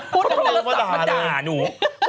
พูดโทรมาด่าหนู